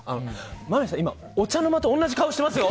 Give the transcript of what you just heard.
間宮さん、今、お茶の間と同じ顔してますよ！